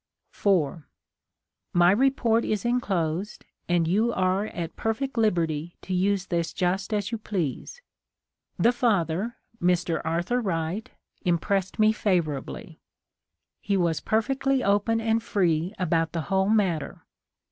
4. My report is enclosed and you are at perfect liberty to use this just as you please. The father, Mr. Arthur Wright, im pressed me favourably. He was perfectly open and free about the whole matter.